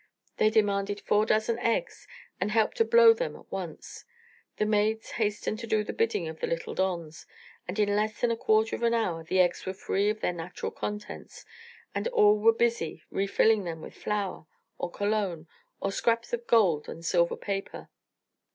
They demanded four dozen eggs and help to blow them at once. The maids hastened to do the bidding of the little dons, and in less than a quarter of an hour the eggs were free of their natural contents, and all were busy refilling them with flour, or cologne, or scraps of gold and silver paper.